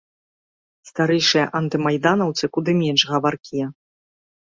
Старэйшыя антымайданаўцы куды менш гаваркія.